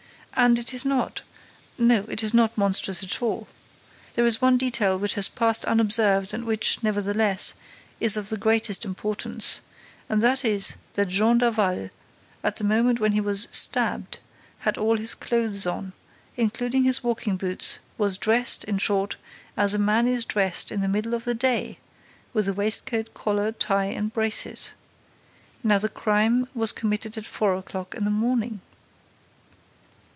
—And it is not—no, it is not monstrous at all.—There is one detail which has passed unobserved and which, nevertheless, is of the greatest importance; and that is that Jean Daval, at the moment when he was stabbed, had all his clothes on, including his walking boots, was dressed, in short, as a man is dressed in the middle of the day, with a waistcoat, collar, tie and braces. Now the crime was committed at four o'clock in the morning."